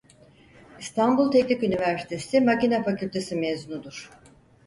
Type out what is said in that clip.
İstanbul Teknik Üniversitesi Makina Fakültesi mezunudur.